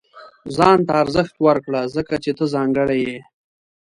• ځان ته ارزښت ورکړه، ځکه چې ته ځانګړی یې.